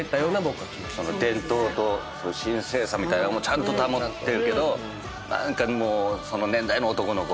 伝統と神聖さみたいのもちゃんと保ってるけど何かもうその年代の男の子。